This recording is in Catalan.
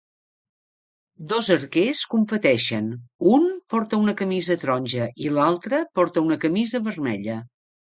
Dos arquers competeixen, un porta una camisa taronja i l'altre porta una camisa vermella.